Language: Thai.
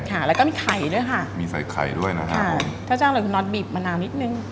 ค่ะแล้วก็มีไข่ด้วยค่ะมีใส่ไข่ด้วยนะฮะใช่ถ้าจ้างเลยคุณน็อตบีบมะนาวนิดนึง